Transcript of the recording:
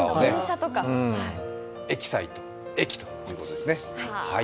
エキサイト、駅ということですね。